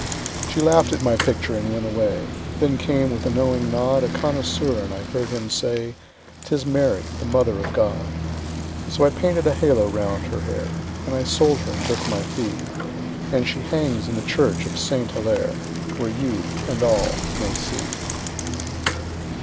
She laughed at my picture and went away. Then came, with a knowing nod, A connoisseur, and I heard him say; "'Tis Mary, the Mother of God." So I painted a halo round her hair, And I sold her and took my fee, And she hangs in the church of Saint Hillaire, Where you and all may see.